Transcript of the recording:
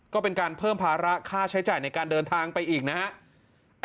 ก็เป็นการเพิ่มภาระค่าใช้จ่ายในการเดินทางไปอีกนะครับ